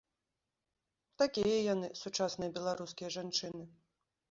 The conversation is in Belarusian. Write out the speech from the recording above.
Такія яны, сучасныя беларускія жанчыны.